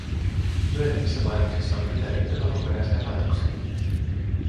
Myöhemmissä painoksissa on pitäydytty alkuperäiseen laitokseen